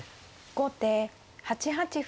後手８八歩。